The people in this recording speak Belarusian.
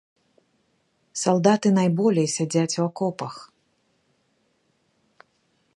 Салдаты найболей сядзяць у акопах.